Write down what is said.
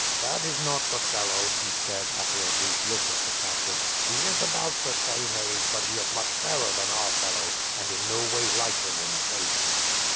"That is not the fellow," he said, after a brief look at the captive. "He is about the same age, but he is much fairer than our fellow, and in no way like him in face."